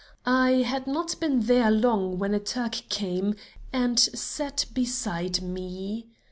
I had not been there long when a Turk came and sat beside me.